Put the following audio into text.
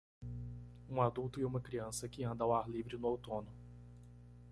Um adulto e uma criança que anda ao ar livre no outono.